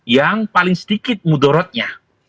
yang paling sedikit mudorotnya